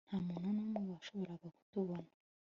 Nta muntu numwe washoboraga kutubona